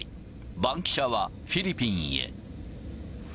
バンキシャはフィリピンへ。